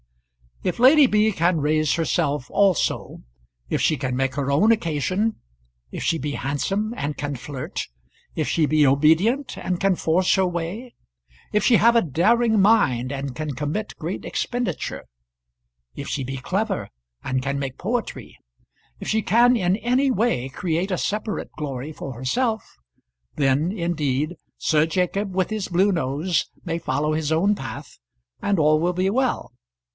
If Lady B. can raise herself also, if she can make her own occasion if she be handsome and can flirt, if she be impudent and can force her way, if she have a daring mind and can commit great expenditure, if she be clever and can make poetry, if she can in any way create a separate glory for herself, then, indeed, Sir Jacob with his blue nose may follow his own path, and all will be well.